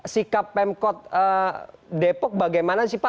sikap pemkot depok bagaimana sih pak